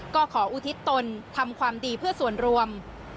ก็ขออุทิศตนทำความดีเพื่อส่วนรวม